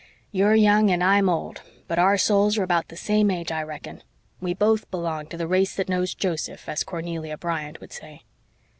You're young and I'm old, but our souls are about the same age, I reckon. We both belong to the race that knows Joseph, as Cornelia Bryant would say."